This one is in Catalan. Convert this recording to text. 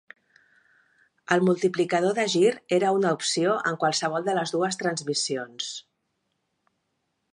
El multiplicador de gir era una opció en qualsevol de les dues transmissions.